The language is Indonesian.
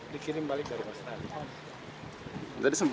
dikirim balik dari australia